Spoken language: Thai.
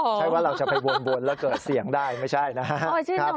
ใช่ว่าเราจะไปวนแล้วเกิดเสียงได้ไม่ใช่นะครับ